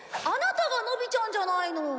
アナタがのびちゃんじゃないの」